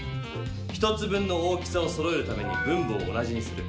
１つ分の大きさをそろえるために分母を同じにする。